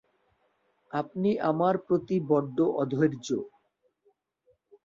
আপনি আমার প্রতি বড্ড অধৈর্য্য।